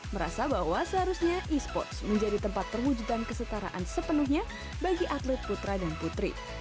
merasa bahwa seharusnya e sports menjadi tempat perwujudan kesetaraan sepenuhnya bagi atlet putra dan putri